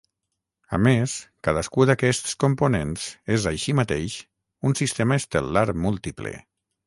A més, cadascú d'aquests components és, així mateix, un sistema estel·lar múltiple.